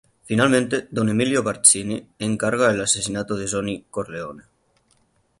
Finalmente, Don Emilio Barzini encarga el asesinato de Sonny Corleone.